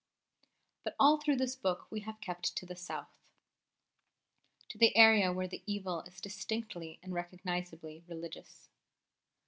But all through this book we have kept to the South to the area where the evil is distinctly and recognisably religious.